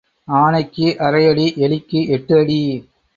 ஆனைக்கு அரைஅடி எலிக்கு எட்டு அடி.